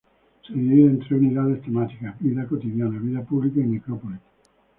Se divide en tres unidades temáticas: vida cotidiana, vida pública y necrópolis.